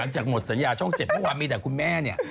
จากหมดสัญญาช่อง๗เมื่อวานมีแต่คุณแม่เนี่ย